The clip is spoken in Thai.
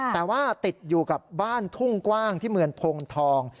แต่ว่าติดอยู่กับบ้านทุ่งกว้างที่เมืองโพนทอง